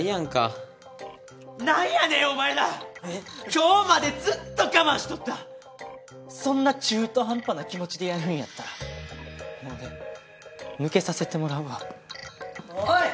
今日までずっと我慢しとったそんな中途半端な気持ちでやるんやったらもう俺抜けさせてもらうわおおい！